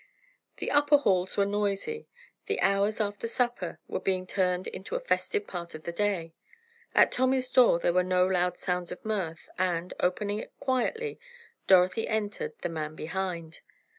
The upper halls were noisy. The hours after supper were being turned into the festive part of the day. At Tommy's door there were no loud sounds of mirth, and, opening it quietly, Dorothy entered, the man behind.